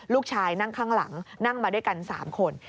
นั่งข้างหลังนั่งมาด้วยกัน๓คน